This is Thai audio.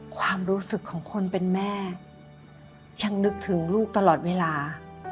ความรู้สึกของคนเป็นแม่ยังนึกถึงลูกตลอดเวลา